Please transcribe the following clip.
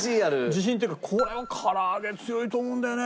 自信っていうかこれはから揚げ強いと思うんだよね。